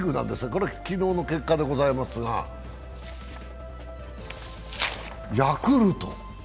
これは昨日の結果でございますがヤクルト。